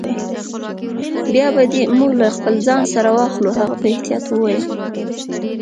بیا به دي موږ له خپل ځان سره واخلو. هغه په احتیاط وویل.